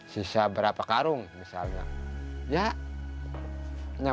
sisa berapa karung misalnya